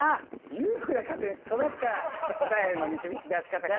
裕福な家庭に育った答えの導き出し方かな？